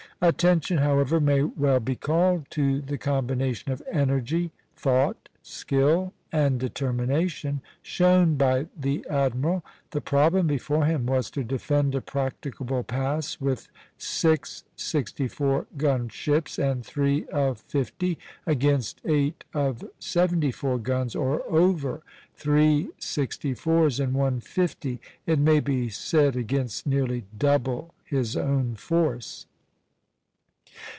Attention, however, may well be called to the combination of energy, thought, skill, and determination shown by the admiral. The problem before him was to defend a practicable pass with six sixty four gun ships and three of fifty, against eight of seventy four guns or over, three sixty fours, and one fifty, it may be said against nearly double his own force.